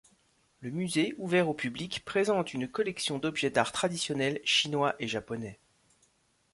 Le musée, ouvert au public, présente une collection d'objets d'art traditionnel chinois et japonais.